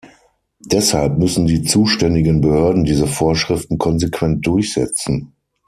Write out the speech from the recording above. Deshalb müssen die zuständigen Behörden diese Vorschriften konsequent durchsetzen.